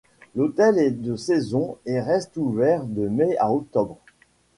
L'hôtel est de saison et reste ouvert de Mai à Octobre.